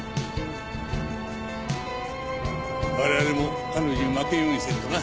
我々も彼女に負けんようにせんとな。